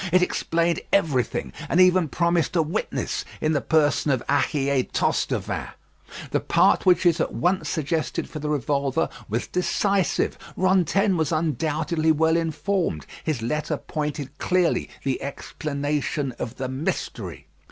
It explained everything, and even promised a witness in the person of Ahier Tostevin. The part which it at once suggested for the revolver was decisive. Rantaine was undoubtedly well informed. His letter pointed clearly the explanation of the mystery.